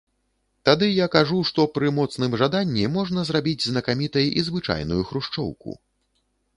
Тады я кажу, што пры моцным жаданні можна зрабіць знакамітай і звычайную хрушчоўку.